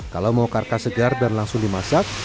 kalau mau karkas segar dan langsung dimasak